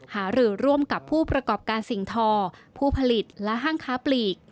หารือร่วมกับผู้ประกอบการสิ่งทอผู้ผลิตและห้างค้าปลีก